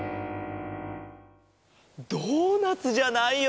ドーナツじゃないよ。